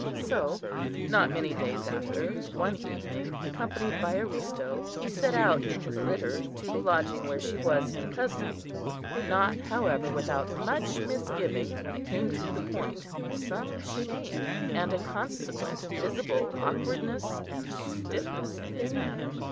So, not many days after, one evening, accompanied by Aristo, he set out in his litter to the lodging where she was in custody; not, however, without much misgiving when it came to the point, some shame, and a consequent visible awkwardness and stiffness in his manner.